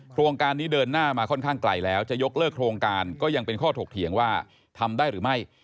โครงการนี้เดินหน้ามาค่อนข้างไกลแล้วจะยกเลิกโครงการก็ยังเป็นข้อถกเถียงว่าทำได้หรือไม่